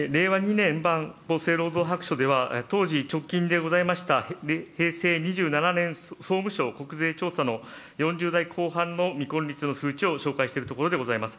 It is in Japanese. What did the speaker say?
年版厚生労働白書では、当時、直近でございました、平成２７年総務省国税調査の４０代後半の未婚率の数値を紹介しているところでございます。